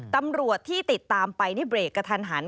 ตำรวจที่ติดตามไปนี่เบรกกระทันหัน